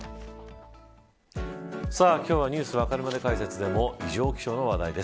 さあ今日はＮｅｗｓわかるまで解説でも異常気象の話題です。